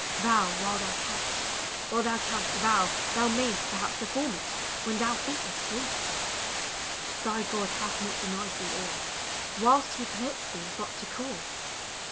Vow while thou canst ; while thou canst vow, thou may's! Perhaps perforin it when thou thinkest least. Thy (Jod hath not denied thee all, Whilst he permits thee hut to call.